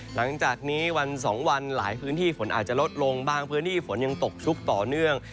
หลังจากนี้วันสองวันหลายพื้นที่ฝนอาจจะลดลงบางพื้นที่ฝนยังตกชุกต่อเนื่อง